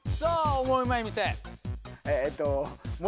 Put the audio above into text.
『オモウマい店』。